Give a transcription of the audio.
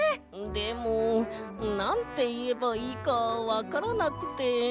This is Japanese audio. でもなんていえばいいかわからなくて。